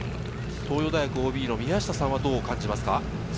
東洋大学ＯＢ・宮下さんはどうですか？